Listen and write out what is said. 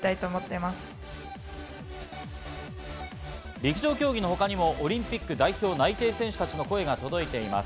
陸上競技のほかにもオリンピック代表内定選手たちの声が届いています。